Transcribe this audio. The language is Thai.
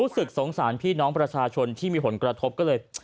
สงสารพี่น้องประชาชนที่มีผลกระทบก็เลย